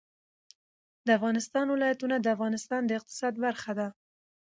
د افغانستان ولايتونه د افغانستان د اقتصاد برخه ده.